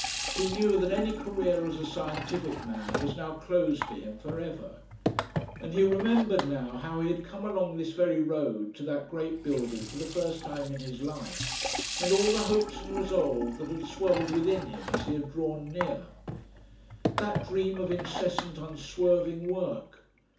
He knew that any career as a scientific man was now closed to him for ever. And he remembered now how he had come along this very road to that great building for the first time in his life, and all the hopes and resolves that had swelled within him as he had drawn near. That dream of incessant unswerving work!